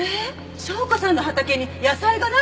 紹子さんの畑に野菜がない？